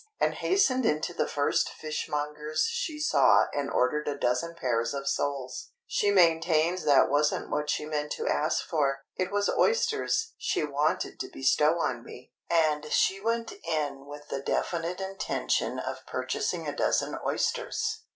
And hastened into the first fishmonger's she saw and ordered a dozen pairs of soles. She maintains that wasn't what she meant to ask for. It was oysters she wanted to bestow on me, and she went in with the definite intention of purchasing a dozen oysters.